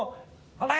「お前！」